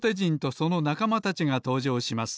そのなかまたちがとうじょうします。